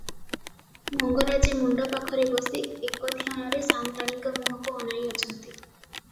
ମଙ୍ଗରାଜେ ମୁଣ୍ତ ପାଖରେ ବସି ଏକଧ୍ୟନରେ ସାଆନ୍ତାଣୀଙ୍କ ମୁହଁକୁ ଅନାଇ ଅଛନ୍ତି ।